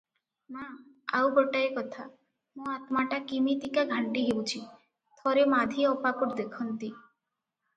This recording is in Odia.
"ମା! ଆଉ ଗୋଟାଏ କଥା, ମୋ ଆତ୍ମାଟା କିମିତିକା ଘାଣ୍ଟି ହେଉଛି, ଥରେ ମାଧୀ ଅପାକୁ ଦେଖନ୍ତି ।"